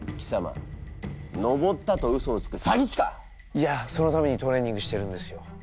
いやそのためにトレーニングしてるんですよ。